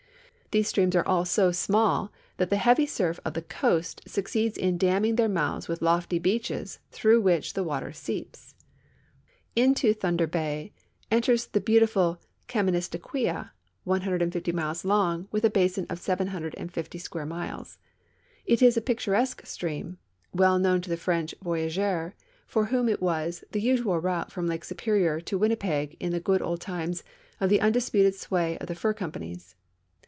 These streams are all so small that the heavy surf of the coast succeeds in damming their mouths with lofty beaches through which the water seeps. Into Thunder bay enters the beautiful Kaminis tiquia, 150 miles long, w'ith a basin of 750 square miles. It is a picturesque stream, well known to the French voyageurs, for whom it was the usual route from Lake Superior to Winnipeg in the good old times of the undisputed sway of the fur companies.